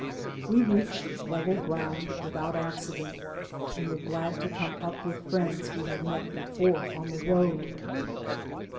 We reached level ground without acci dent, and were glad to come up with friends we had met before on the road.